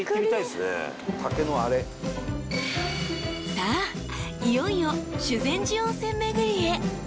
［さあいよいよ修善寺温泉巡りへ］